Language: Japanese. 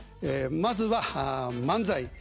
まずは漫才